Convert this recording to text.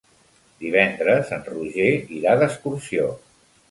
Divendres en Roger irà d'excursió.